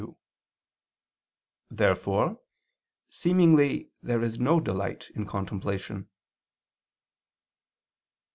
Therefore seemingly there is no delight in contemplation.